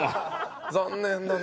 残念だな。